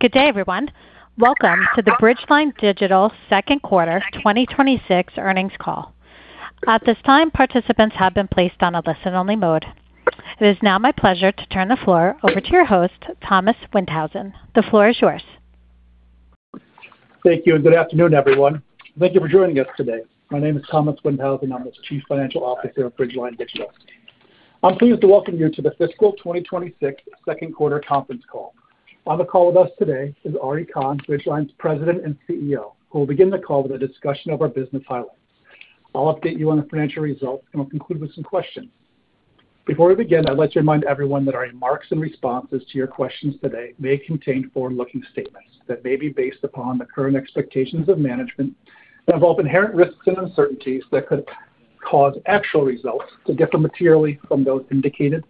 Good day, everyone. Welcome to the Bridgeline Digital second quarter 2026 earnings call. At this time, participants have been placed on a listen-only mode. It is now my pleasure to turn the floor over to your host, Thomas Windhausen. The floor is yours. Thank you, good afternoon, everyone. Thank you for joining us today. My name is Thomas Windhausen. I'm the Chief Financial Officer of Bridgeline Digital. I'm pleased to welcome you to the fiscal 2026 2nd quarter conference call. On the call with us today is Ari Kahn, Bridgeline's President and CEO, who will begin the call with a discussion of our business highlights. I'll update you on the financial results, and we'll conclude with some questions. Before we begin, I'd like to remind everyone that our remarks and responses to your questions today may contain forward-looking statements that may be based upon the current expectations of management that involve inherent risks and uncertainties that could cause actual results to differ materially from those indicated,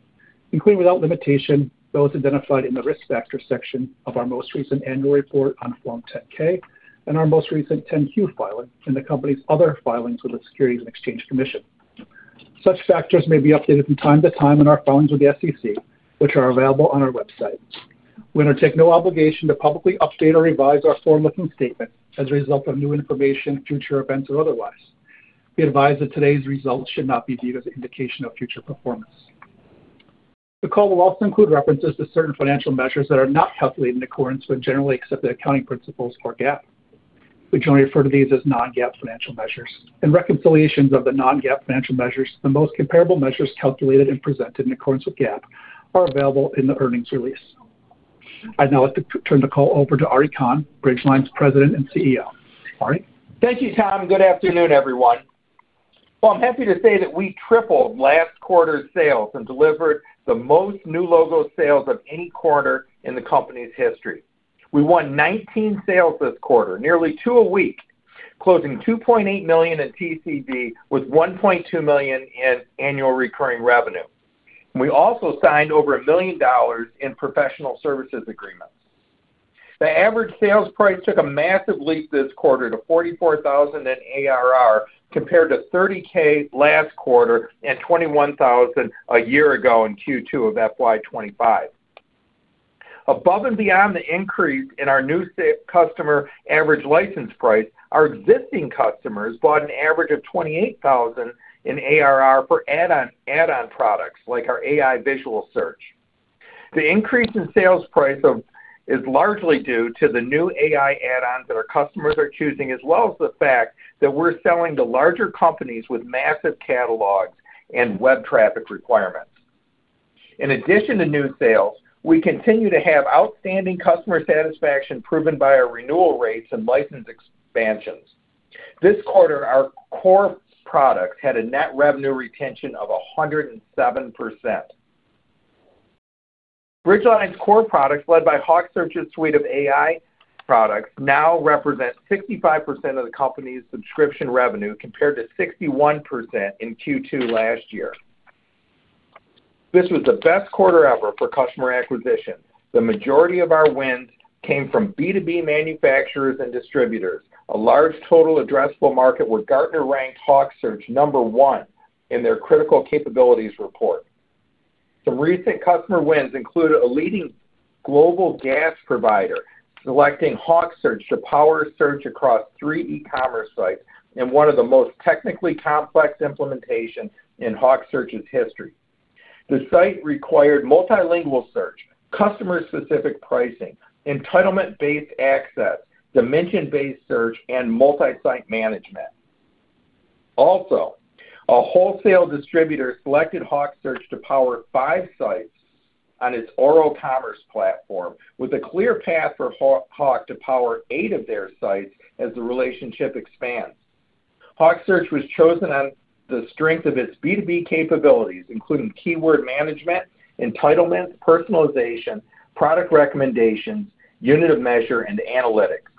including without limitation, those identified in the Risk Factors section of our most recent annual report on Form 10-K and our most recent 10-Q filing in the company's other filings with the Securities and Exchange Commission. Such factors may be updated from time to time in our filings with the SEC, which are available on our website. We undertake no obligation to publicly update or revise our forward-looking statements as a result of new information, future events, or otherwise. Be advised that today's results should not be viewed as an indication of future performance. The call will also include references to certain financial measures that are not calculated in accordance with generally accepted accounting principles or GAAP. We jointly refer to these as non-GAAP financial measures and reconciliations of the non-GAAP financial measures, the most comparable measures calculated and presented in accordance with GAAP are available in the earnings release. I'd now like to turn the call over to Ari Kahn, Bridgeline's President and CEO. Ari. Thank you, Thomas. Good afternoon, everyone. I'm happy to say that we tripled last quarter's sales and delivered the most new logo sales of any quarter in the company's history. We won 19 sales this quarter, nearly $2 million a week, closing $2.8 million in TCV with $1.2 million in annual recurring revenue. We also signed over $1 million in professional services agreements. The average sales price took a massive leap this quarter to $44,000 in ARR compared to $30K last quarter and $21,000 a year ago in Q2 of FY 2025. Above and beyond the increase in our new SaaS customer average license price, our existing customers bought an average of $28,000 in ARR for add-on products like our AI Visual Search. The increase in sales price of is largely due to the new AI add-ons that our customers are choosing, as well as the fact that we're selling to larger companies with massive catalogs and web traffic requirements. In addition to new sales, we continue to have outstanding customer satisfaction proven by our renewal rates and license expansions. This quarter, our core products had a net revenue retention of 107%. Bridgeline's core products, led by HawkSearch's suite of AI products, now represent 65% of the company's subscription revenue, compared to 61% in Q2 last year. This was the best quarter ever for customer acquisition. The majority of our wins came from B2B manufacturers and distributors, a large total addressable market where Gartner ranked HawkSearch number one in their Critical Capabilities Report. Some recent customer wins included a leading global gas provider selecting HawkSearch to power search across three e-commerce sites in one of the most technically complex implementation in HawkSearch's history. The site required multilingual search, customer-specific pricing, entitlement-based access, dimension-based search, and multi-site management. A wholesale distributor selected HawkSearch to power five sites on its Oracle Commerce platform with a clear path for HawkSearch to power eight of their sites as the relationship expands. HawkSearch was chosen on the strength of its B2B capabilities, including keyword management, entitlements, personalization, product recommendations, unit of measure, and analytics.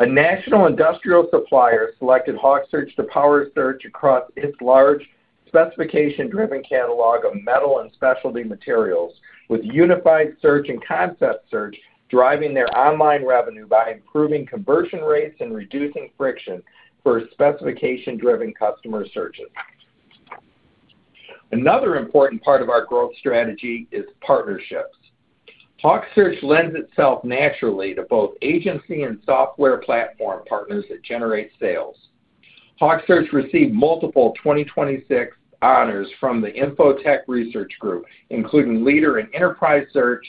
A national industrial supplier selected HawkSearch to power search across its large specification-driven catalog of metal and specialty materials with unified search and concept search, driving their online revenue by improving conversion rates and reducing friction for specification-driven customer searches. Another important part of our growth strategy is partnerships. HawkSearch lends itself naturally to both agency and software platform partners that generate sales. HawkSearch received multiple 2026 honors from the Info-Tech Research Group, including Leader in Enterprise Search,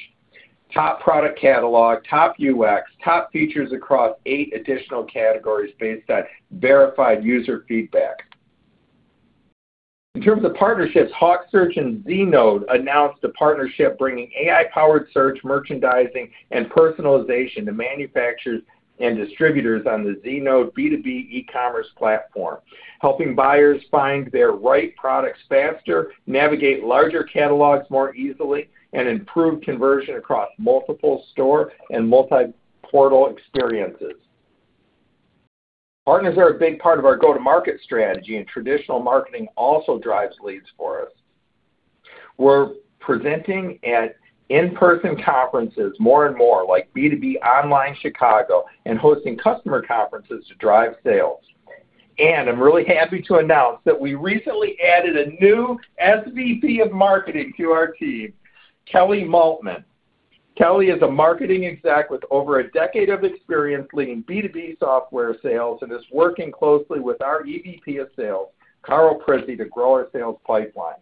Top Product Catalog, Top UX, Top Features across eight additional categories based on verified user feedback. In terms of partnerships, HawkSearch and Znode announced a partnership bringing AI-powered search, merchandising, and personalization to manufacturers and distributors on the Znode B2B e-commerce platform, helping buyers find their right products faster, navigate larger catalogs more easily, and improve conversion across multiple store and multi-portal experiences. Partners are a big part of our go-to-market strategy, traditional marketing also drives leads for us. We're presenting at in-person conferences more and more like B2B Online Chicago and hosting customer conferences to drive sales. I'm really happy to announce that we recently added a new SVP of Marketing to our team, Kelly Maltman. Kelly is a marketing exec with over a decade of experience leading B2B software sales, and is working closely with our EVP of sales, Carl Prizzi, to grow our sales pipeline.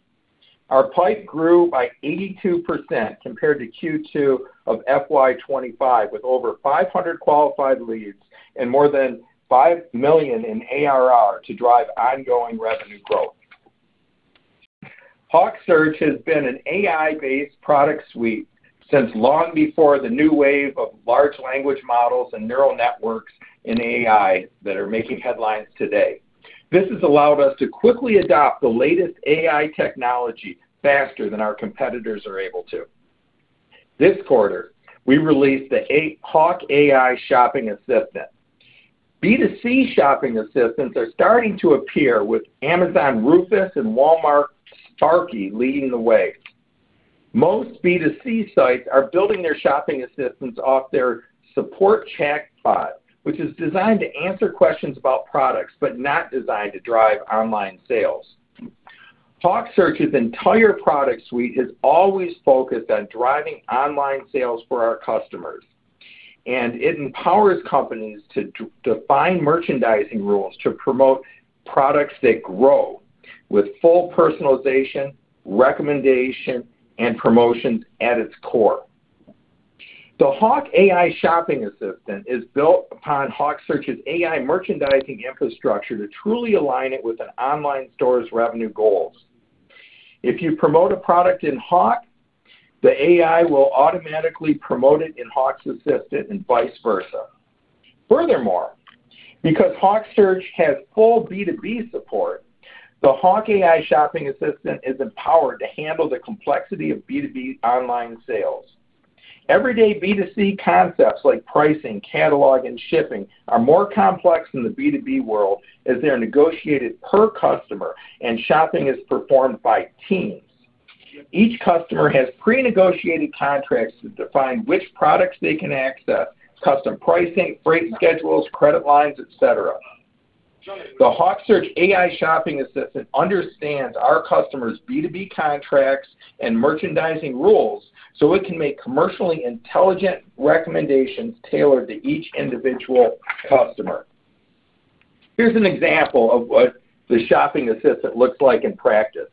Our pipe grew by 82% compared to Q2 of FY 2025, with over 500 qualified leads and more than $5 million in ARR to drive ongoing revenue growth. HawkSearch has been an AI-based product suite since long before the new wave of large language models and neural networks in AI that are making headlines today. This has allowed us to quickly adopt the latest AI technology faster than our competitors are able to. This quarter, we released the Hawk AI Shopping Assistant. B2C shopping assistants are starting to appear, with Amazon Rufus and Walmart Sparky leading the way. Most B2C sites are building their shopping assistants off their support chatbot, which is designed to answer questions about products, but not designed to drive online sales. HawkSearch's entire product suite has always focused on driving online sales for our customers, and it empowers companies to define merchandising rules to promote products that grow, with full personalization, recommendation, and promotions at its core. The Hawk AI Shopping Assistant is built upon HawkSearch's AI merchandising infrastructure to truly align it with an online store's revenue goals. If you promote a product in Hawk, the AI will automatically promote it in Hawk's Assistant and vice versa. Because HawkSearch has full B2B support, the Hawk AI Shopping Assistant is empowered to handle the complexity of B2B online sales. Everyday B2C concepts like pricing, catalog, and shipping are more complex in the B2B world, as they're negotiated per customer and shopping is performed by teams. Each customer has pre-negotiated contracts that define which products they can access, custom pricing, freight schedules, credit lines, et cetera. The HawkSearch AI Shopping Assistant understands our customers' B2B contracts and merchandising rules, so it can make commercially intelligent recommendations tailored to each individual customer. Here's an example of what the Shopping Assistant looks like in practice.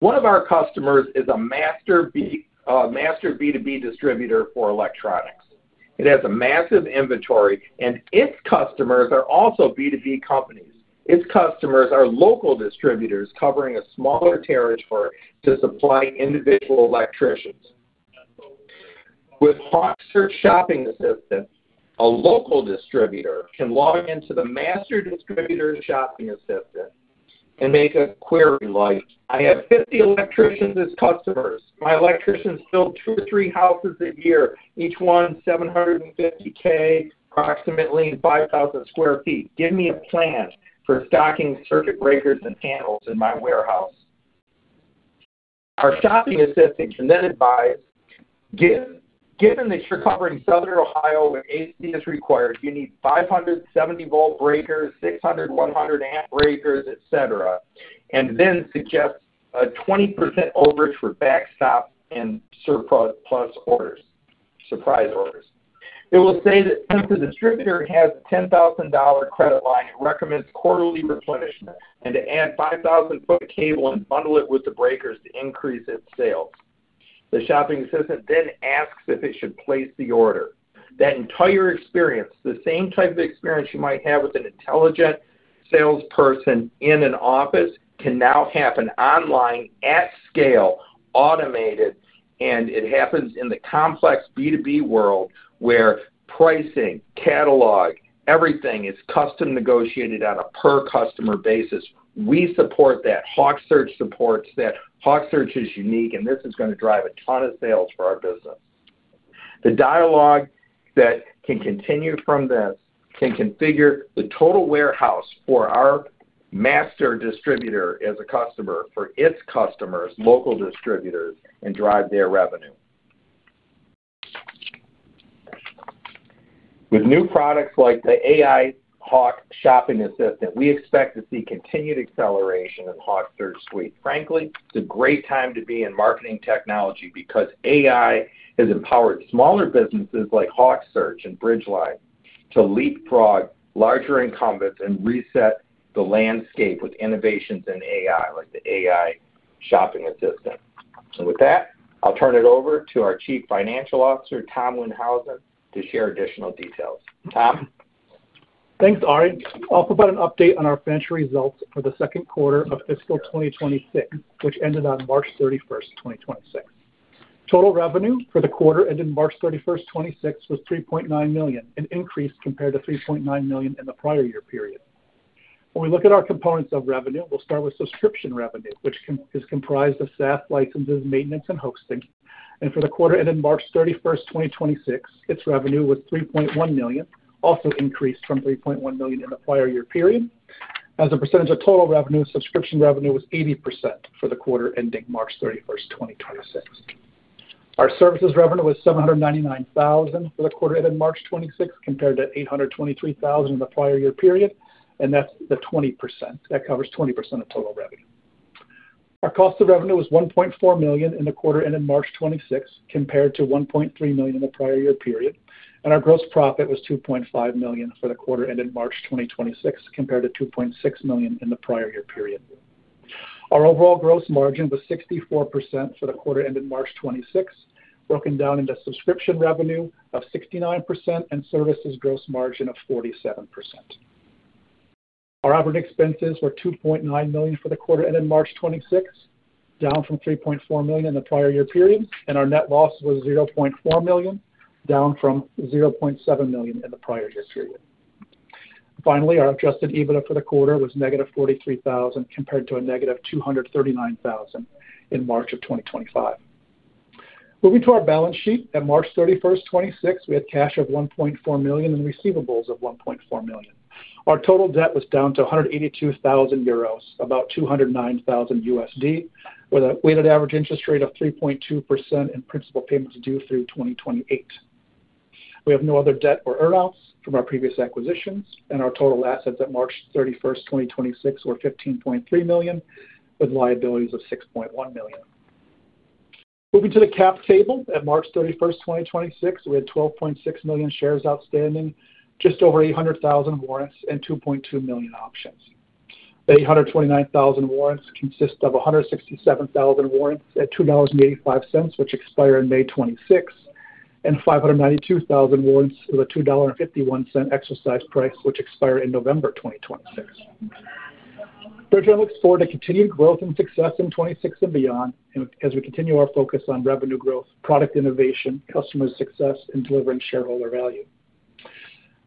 One of our customers is a master B2B distributor for electronics. It has a massive inventory, and its customers are also B2B companies. Its customers are local distributors covering a smaller territory to supply individual electricians. With HawkSearch Shopping Assistant, a local distributor can log into the master distributor's Shopping Assistant and make a query like, "I have 50 electricians as customers. My electricians build two to three houses a year, each one $750,000, approximately 5,000 sq ft. "Give me a plan for stocking circuit breakers and panels in my warehouse." Our Shopping Assistant can then advise, "Given that you're covering Southern Ohio where AC is required, you need 500 70-volt breakers, 600 100-amp breakers, et cetera," It then suggests a 20% overage for backstop and surplus orders, surprise orders. It will say that since the distributor has a $10,000 credit line, it recommends quarterly replenishment and to add 5,000 foot cable and bundle it with the breakers to increase its sales. The Shopping Assistant then asks if it should place the order. That entire experience, the same type of experience you might have with an intelligent salesperson in an office, can now happen online at scale, automated, and it happens in the complex B2B world where pricing, catalog, everything is custom negotiated on a per-customer basis. We support that. HawkSearch supports that. HawkSearch is unique, and this is gonna drive a ton of sales for our business. The dialogue that can continue from this can configure the total warehouse for our master distributor as a customer for its customers, local distributors, and drive their revenue. With new products like the Hawk AI Shopping Assistant, we expect to see continued acceleration in HawkSearch Suite. Frankly, it's a great time to be in marketing technology because AI has empowered smaller businesses like HawkSearch and Bridgeline to leapfrog larger incumbents and reset the landscape with innovations in AI, like the AI Shopping Assistant. With that, I'll turn it over to our Chief Financial Officer, Thomas Windhausen, to share additional details. Thomas? Thanks, Ari. I'll provide an update on our financial results for the second quarter of fiscal 2026, which ended on March 31st, 2026. Total revenue for the quarter ending March 31st, 2026 was $3.9 million, an increase compared to $3.9 million in the prior year period. When we look at our components of revenue, we'll start with subscription revenue, which is comprised of SaaS licenses, maintenance, and hosting. For the quarter ending March 31st, 2026, its revenue was $3.1 million, also increased from $3.1 million in the prior year period. As a percentage of total revenue, subscription revenue was 80% for the quarter ending March 31st, 2026. Our services revenue was $799,000 for the quarter ended March 2026, compared to $823,000 in the prior year period, and that's the 20%. That covers 20% of total revenue. Our cost of revenue was $1.4 million in the quarter ended March 2026, compared to $1.3 million in the prior year period, and our gross profit was $2.5 million for the quarter ended March 2026, compared to $2.6 million in the prior year period. Our overall gross margin was 64% for the quarter ended March 2026, broken down into subscription revenue of 69% and services gross margin of 47%. Our operating expenses were $2.9 million for the quarter ended March 26th, down from $3.4 million in the prior year period. Our net loss was $0.4 million, down from $0.7 million in the prior year period. Finally, our adjusted EBITDA for the quarter was -$43,000 compared to a -$239,000 in March of 2025. Moving to our balance sheet, at March 31st, 2026, we had cash of $1.4 million and receivables of $1.4 million. Our total debt was down to 182,000 euros, about $209,000, with a weighted average interest rate of 3.2% in principal payments due through 2028. We have no other debt or earn-outs from our previous acquisitions. Our total assets at March 31st, 2026 were $15.3 million, with liabilities of $6.1 million. Moving to the cap table, at March 31st, 2026, we had 12.6 million shares outstanding, just over 800,000 warrants, and 2.2 million options. The 829,000 warrants consist of 167,000 warrants at $2.85, which expire in May 2026, and 592,000 warrants with a $2.51 exercise price, which expire in November 2026. Bridgeline looks forward to continued growth and success in 2026 and beyond as we continue our focus on revenue growth, product innovation, customer success, and delivering shareholder value.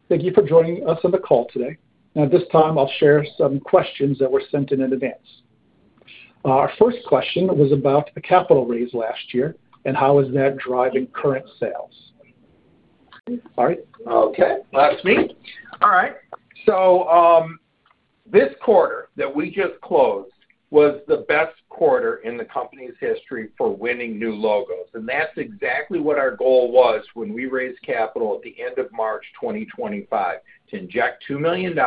Thank you for joining us on the call today. At this time, I'll share some questions that were sent in in advance. Our first question was about the capital raise last year, and how is that driving current sales? Ari? Okay, that's me. All right. This quarter that we just closed was the best quarter in the company's history for winning new logos, and that's exactly what our goal was when we raised capital at the end of March 2025, to inject $2 million,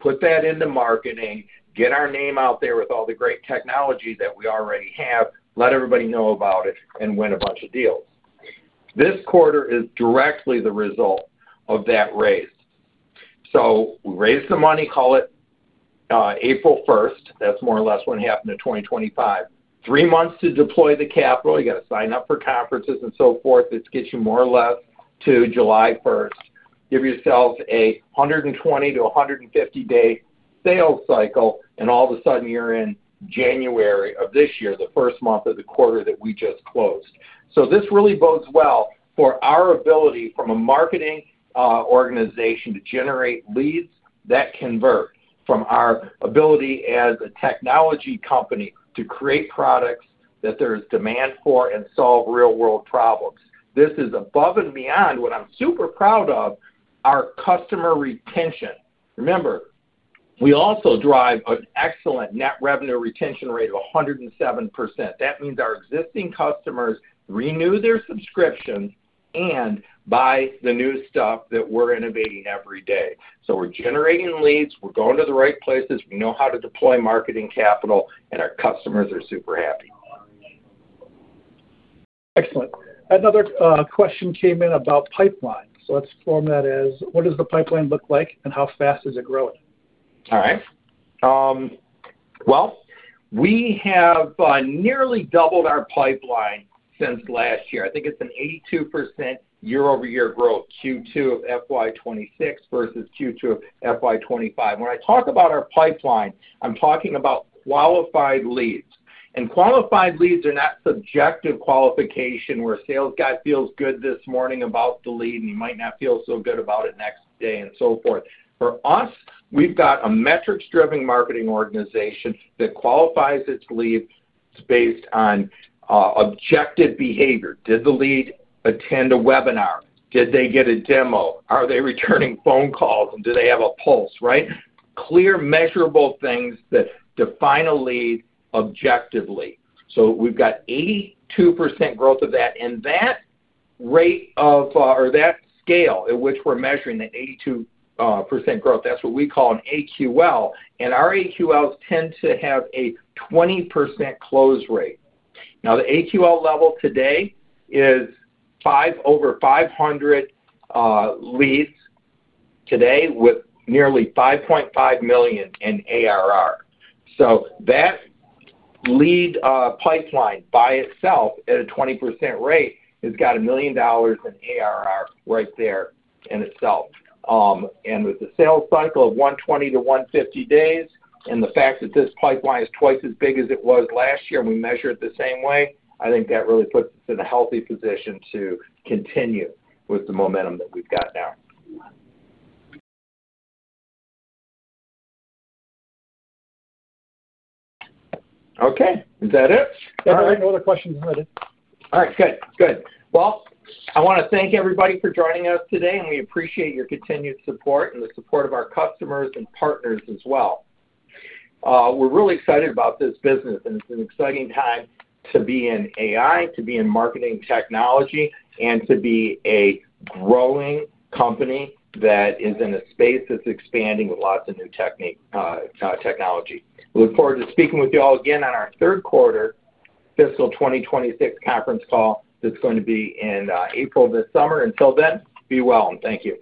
put that into marketing, get our name out there with all the great technology that we already have, let everybody know about it, and win a bunch of deals. This quarter is directly the result of that raise. We raised the money, call it, April 1st. That's more or less what happened in 2025. Three months to deploy the capital. You gotta sign up for conferences and so forth. This gets you more or less to July 1st. Give yourselves a 120-150 day sales cycle. All of a sudden, you're in January of this year, the first month of the quarter that we just closed. This really bodes well for our ability from a marketing organization to generate leads that convert from our ability as a technology company to create products that there is demand for and solve real-world problems. This is above and beyond what I'm super proud of, our customer retention. Remember, we also drive an excellent net revenue retention rate of 107%. That means our existing customers renew their subscriptions and buy the new stuff that we're innovating every day. We're generating leads. We're going to the right places. We know how to deploy marketing capital, and our customers are super happy. Excellent. Another question came in about pipeline. Let's form that as what does the pipeline look like, and how fast is it growing? All right. Well, we have nearly doubled our pipeline since last year. I think it's an 82% year-over-year growth, Q2 of FY 2026 versus Q2 of FY 2025. When I talk about our pipeline, I'm talking about qualified leads. Qualified leads are not subjective qualification, where a sales guy feels good this morning about the lead, and he might not feel so good about it next day and so forth. For us, we've got a metrics-driven marketing organization that qualifies its leads based on objective behavior. Did the lead attend a webinar? Did they get a demo? Are they returning phone calls, and do they have a pulse, right? Clear, measurable things that define a lead objectively. We've got 82% growth of that, and that rate of, or that scale at which we're measuring, the 82% growth, that's what we call an AQL. Our AQLs tend to have a 20% close rate. The AQL level today is 5 over 500 leads today with nearly $5.5 million in ARR. That lead pipeline by itself at a 20% rate has got $1 million in ARR right there in itself. With the sales cycle of 120-150 days and the fact that this pipeline is twice as big as it was last year, and we measure it the same way, I think that really puts us in a healthy position to continue with the momentum that we've got now. Okay, is that it? All right. Yeah, there are no other questions. That's it. All right. Good. Good. Well, I want to thank everybody for joining us today. We appreciate your continued support and the support of our customers and partners as well. We are really excited about this business. It is an exciting time to be in AI, to be in marketing technology, and to be a growing company that is in a space that is expanding with lots of new technology. We look forward to speaking with you all again on our third quarter fiscal 2026 conference call that is going to be in April this summer. Until then, be well, and thank you.